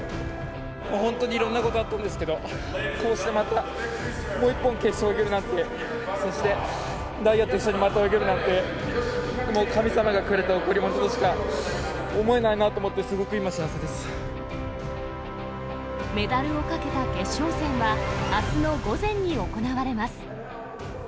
本当にいろんなことあったんですけど、こうしてまた、もう一本決勝で泳げるなんて、そして大也と一緒にまた泳げるなんて、もう神様がくれた贈り物としか思えないなと思って、すごくメダルをかけた決勝戦は、あすの午前に行われます。